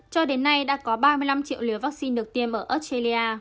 cho đến nay đã có ba mươi năm triệu liều vaccine được tiêm ở australia